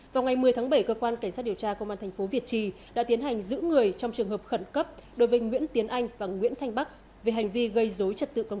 vào ngày một mươi tháng bảy cơ quan cảnh sát điều tra công an thành phố việt trì đã tiến hành giữ người trong trường hợp khẩn cấp đối với nguyễn tiến anh và nguyễn thanh bắc về hành vi gây dối trật tự công cộng